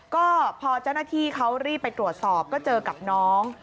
ก็พอเจ้าหน้าที่เขารีบไปตรวจสอบก็เจอกับน้อง